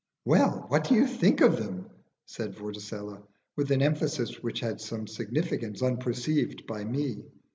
"Well, what do you think of them?" said Vorticella, with an emphasis which had some significance unperceived by me.